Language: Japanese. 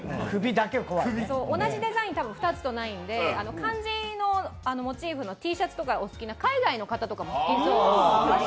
同じデザイン、たぶん２つとないので、漢字のモチーフのＴシャツとかお好きな海外の方とかも好きそう。